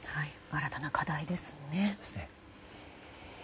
新たな課題ですね。